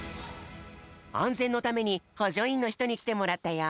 あんぜんのためにほじょいんのひとにきてもらったよ。